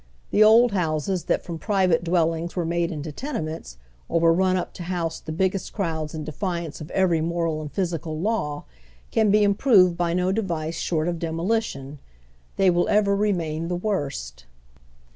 The old houses that fi'oni private dwellings were made into tene ments, or were run up to house the biggest crowds in de fiance of every moral and physical law, can be improved by no device short of demolition. They will ever remain the worst.